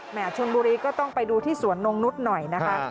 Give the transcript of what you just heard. ชนบุรีก็ต้องไปดูที่สวนนงนุษย์หน่อยนะคะ